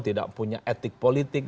tidak punya etik politik